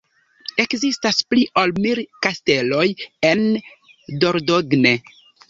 Ekzistas pli ol mil kasteloj en Dordogne.